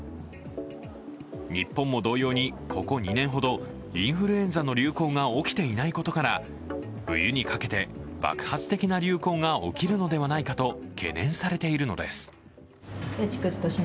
日本も同様に、ここ２年ほどインフルエンザの流行が起きていないことから、冬にかけて爆発的な流行が起きるのではないかと、懸念されているのです。